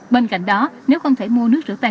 bên cạnh đó nếu không thể mua nước rửa tay